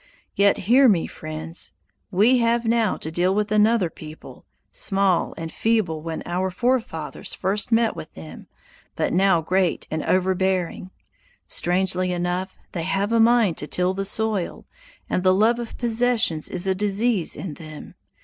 "Yet hear me, friends! we have now to deal with another people, small and feeble when our forefathers first met with them, but now great and overbearing. Strangely enough, they have a mind to till the soil, and the love of possessions is a disease in them.